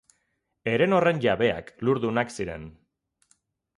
Heren horren jabeak lur-dunak ziren.